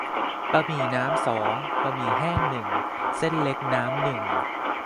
บะหมี่น้ำสอง บะหมี่แห้งหนึ่ง เส้นเล็กน้ำหนึ่ง